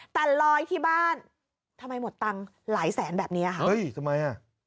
แต่ลอยที่บ้านทำไมหมดตังค์หลายแสนแบบเนี่ย